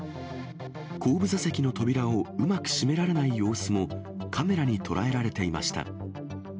後部座席の扉をうまく閉められない様子もカメラに捉えられていました。